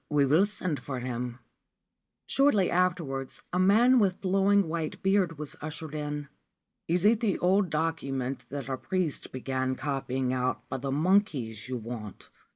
We will send for him/ Shortly afterwards a man with flowing white beard was ushered in. ' Is it the old document that a priest began copying out for the monkeys you want